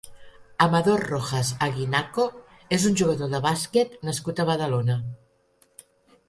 Amador Rojas Aguinaco és un jugador de bàsquet nascut a Badalona.